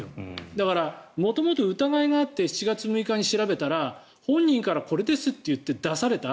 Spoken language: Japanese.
だから、元々、疑いがあって７月６日に調べたら本人からこれですと言って出された。